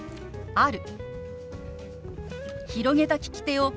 「ある」。